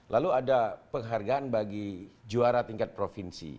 lalu ada penghargaan bagi juara tingkat provinsi